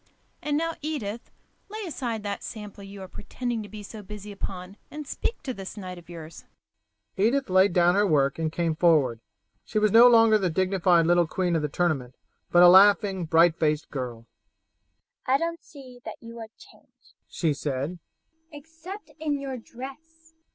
And now, Edith, lay aside that sampler you are pretending to be so busy upon and speak to this knight of yours." Edith laid down her work and came forward. She was no longer the dignified little queen of the tournament, but a laughing, bright faced girl. "I don't see that you are changed," she said, "except in your dress.